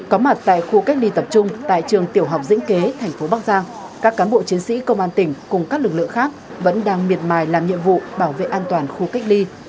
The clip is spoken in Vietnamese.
có mặt tại khu cách ly tập trung tại trường tiểu học dĩnh kế thành phố bắc giang các cán bộ chiến sĩ công an tỉnh cùng các lực lượng khác vẫn đang miệt mài làm nhiệm vụ bảo vệ an toàn khu cách ly